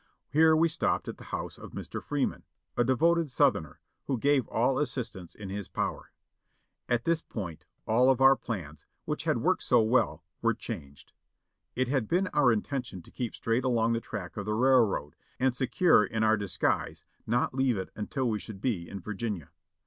Here we stopped at the house of Mr. Freeman, a devoted Southerner, who gave all the assistance in his power. At this point all of our plans, which had worked so well, were changed. It had been our intention to keep straight along the track of the railroad, and secure in our dis guise, not leave it until we should be in Virginia.